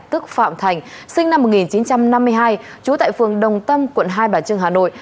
tức phạm thành sinh năm một nghìn chín trăm năm mươi hai trú tại phường đồng tâm quận hai bà trưng hà nội